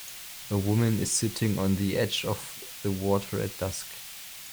A woman is sitting on the edge of the water at dusk.